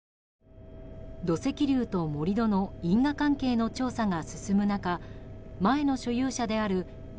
土石流と盛り土の因果関係の調査が進む中前の所有者であるＡ